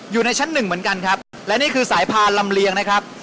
อยู่ในชั้นหนึ่งเหมือนกันครับและนี่คือสายพานลำเลียงนะครับ